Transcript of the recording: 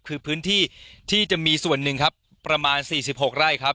คือพื้นที่ที่จะมีส่วนหนึ่งครับประมาณ๔๖ไร่ครับ